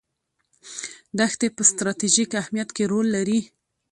دښتې په ستراتیژیک اهمیت کې رول لري.